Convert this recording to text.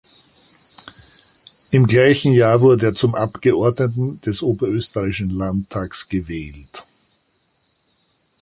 Im gleichen Jahr wurde er zum Abgeordneten des oberösterreichischen Landtages gewählt.